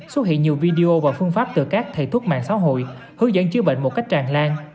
xuất hiện nhiều video và phương pháp từ các thầy thuốc mạng xã hội hướng dẫn chữa bệnh một cách tràn lan